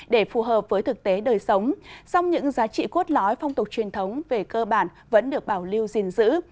để phù hợp với thực tế đời sống song những giá trị cốt lói phong tục truyền thống về cơ bản vẫn được bảo lưu gìn giữ